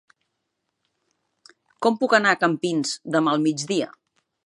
Com puc anar a Campins demà al migdia?